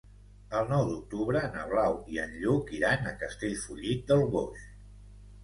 El nou d'octubre na Blau i en Lluc iran a Castellfollit del Boix.